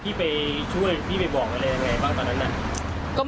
พี่ไปช่วยพี่ไปบอกอะไรยังไงบ้างตอนนั้นน่ะ